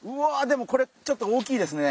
でもこれちょっと大きいですね